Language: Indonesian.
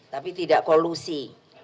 tapi tidak kolusi